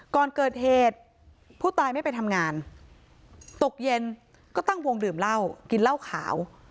ก่อนเกิดเหตุผู้ตายไม่ไปทำงานตกเย็นก็ตั้งวงดื่มเหล้ากินเหล้าขาว